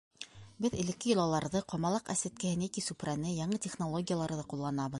— Беҙ элекке йолаларҙы — ҡомалаҡ әсеткеһен йәки сүпрәне, яңы технологияларҙы ҡулланабыҙ.